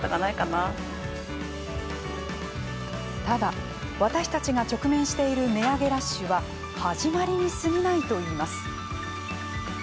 ただ、私たちが直面している値上げラッシュは始まりにすぎないといいます。